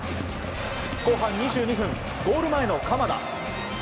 後半２２分、ゴール前の鎌田。